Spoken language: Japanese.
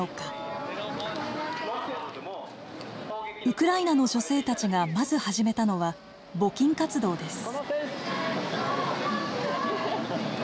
ウクライナの女性たちがまず始めたのは募金活動です。